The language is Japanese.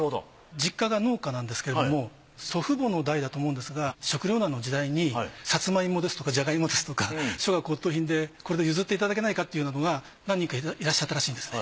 実家が農家なんですけれども祖父母の代だと思うんですが食糧難の時代にさつまいもですとかじゃがいもですとか書画骨董品でこれで譲っていただけないかというのが何人かいらっしゃったらしいんですね。